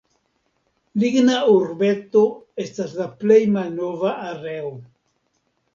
Ligna Urbeto estas la plej malnova areo.